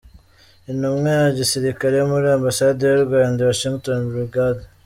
Intumwa ya gisirikare muri Ambasade y’u Rwanda i Washington, Brig.